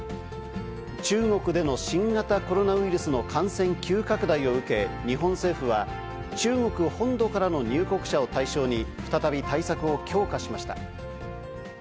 中国での新型コロナウイルスの感染急拡大を受け、日本政府は、中国本土からの入国者を対象に、再び対策を強化しました。